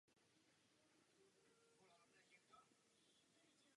Na vůz té doby a cenové kategorie je neobvyklé též nezávislé zavěšení přední nápravy.